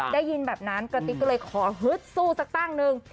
ได้ยินแบบนั้นกระติกก็เลยขอฮึดสู้สักตั้งหนึ่ง